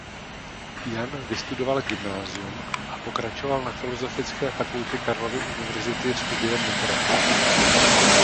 Jan vystudoval gymnázium a pokračoval na filozofické fakultě Karlovy univerzity studiem literatury.